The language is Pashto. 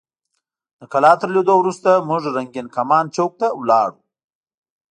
د کلا تر لیدو وروسته موږ رنګین کمان چوک ته لاړو.